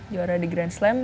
juara di grand slam